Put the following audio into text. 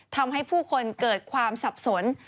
ทำให้ผู้คนเกิดความสับสน